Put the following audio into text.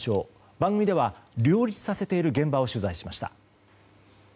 番組では、両立させている現場を取材しました。